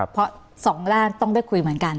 เพราะสองด้านต้องได้คุยเหมือนกัน